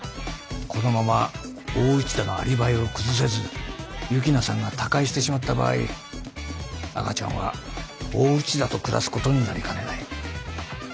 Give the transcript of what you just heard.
このまま大内田のアリバイを崩せず幸那さんが他界してしまった場合赤ちゃんは大内田と暮らすことになりかねない。